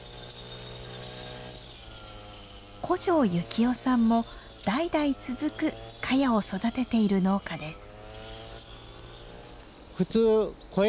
古城幸雄さんも代々続くカヤを育てている農家です。